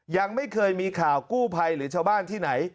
ยังไม่เคยมีข่าวกู้ภัยหรือชาวบ้านที่ไหน